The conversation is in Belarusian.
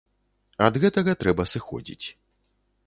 Ад гэтага трэба сыходзіць.